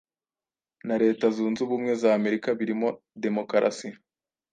na Leta Zunze Ubumwe z'Amerika birimo demokarasi,